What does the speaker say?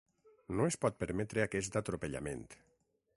No es pot permetre aquest atropellament.